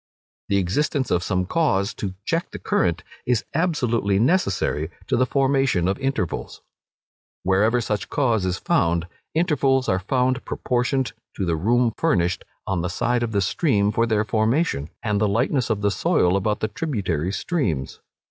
The existence of some cause to check the current, is absolutely necessary to the formation of intervals. Wherever such cause is found, intervals are found proportioned to the room furnished on the side of the stream for their formation, and the lightness of the soil about the tributary streams.